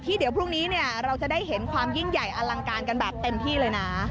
เดี๋ยวพรุ่งนี้เนี่ยเราจะได้เห็นความยิ่งใหญ่อลังการกันแบบเต็มที่เลยนะ